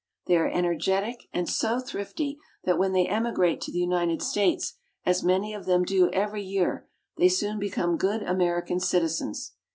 They are energetic, and so thrifty that when they emigrate to the United States, as many of them do every year, they soon become good American citizens.